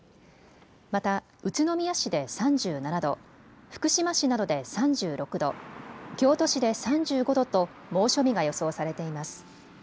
また宇都宮市で３７度、福島市などで３６度、京都市で３５度と猛暑日が予想されています。